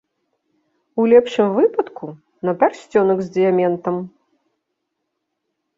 У лепшым выпадку, на пярсцёнак з дыяментам.